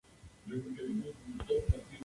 Deutschland; Linnaea; Natural.